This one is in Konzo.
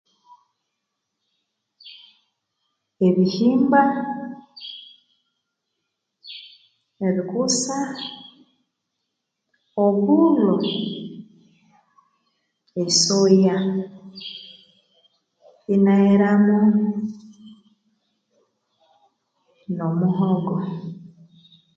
Ebihimba ebikusa obulho esoya enaheramu no muhogo